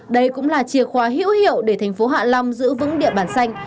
đây cũng là chìa khóa hữu hiệu để thành phố hạ long giữ vững địa bàn xanh